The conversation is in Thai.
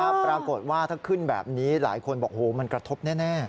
ปรากฏว่าถ้าขึ้นแบบนี้หลายคนบอกโหมันกระทบแน่